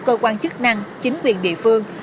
cơ quan chức năng chính quyền địa phương